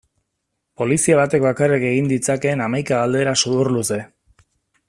Polizia batek bakarrik egin ditzakeen hamaika galdera sudurluze.